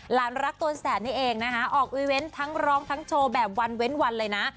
รักตัวแสนนี่เองนะคะออกอีเวนต์ทั้งร้องทั้งโชว์แบบวันเว้นวันเลยนะ